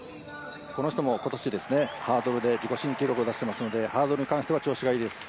この人もこの年、ハードルで自己新記録を出していますのでハードルに関しては、調子がいいです。